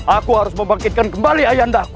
aku harus membangkitkan kembali ayandaku